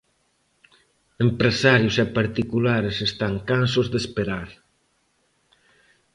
Empresarios e particulares están cansos de esperar.